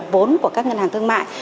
vốn của các ngân hàng thương mại